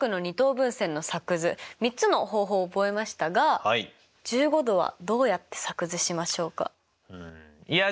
分線の作図３つの方法を覚えましたが１５°はどうやって作図しましょうか？